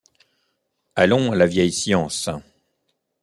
Allons à la Vieille Science.